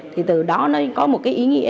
thì từ đó nó có một cái ý nghĩa